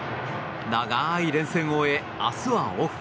長い連戦を終え明日はオフ。